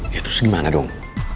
ya terus gimana dong